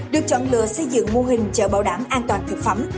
được chọn lựa xây dựng mô hình chợ bảo đảm an toàn thực phẩm